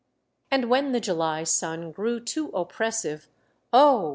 And when the July sun grew too oppressive, oh